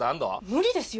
無理ですよ！